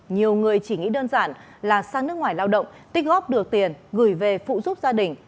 nhiều người chỉ nghĩ đơn giản là sang nước ngoài lao động tích góp được tiền gửi về phụ giúp gia đình